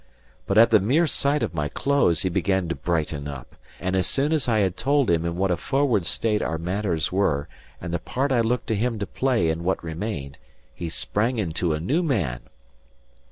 But at the mere sight of my clothes, he began to brighten up; and as soon as I had told him in what a forward state our matters were and the part I looked to him to play in what remained, he sprang into a new man.